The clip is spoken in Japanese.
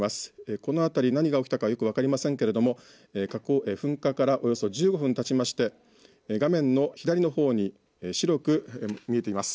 この辺り何が起きたかよく分かりませんけれども噴火からおよそ１５分たちまして画面の左のほうに白く見えています。